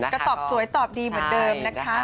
ก็ตอบสวยตอบดีเหมือนเดิมนะคะ